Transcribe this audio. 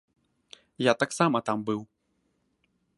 Я таксама там быў.